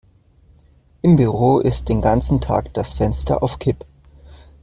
Im Büro ist den ganzen Tag das Fenster auf Kipp.